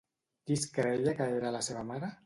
Qui es creia que era la seva mare?